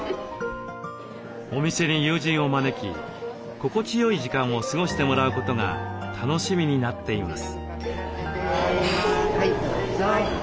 お店に友人を招き心地よい時間を過ごしてもらうことが楽しみになっています。